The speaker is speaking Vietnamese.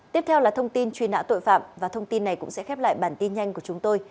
tiếp theo là thông tin truy nã tội phạm và thông tin này cũng sẽ khép lại bản tin nhanh của chúng tôi